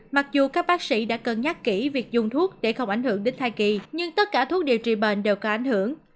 mặc dù các bác sĩ đã cân nhắc kỹ việc dùng thuốc để không ảnh hưởng đến thai kỳ nhưng tất cả thuốc điều trị bệnh đều có ảnh hưởng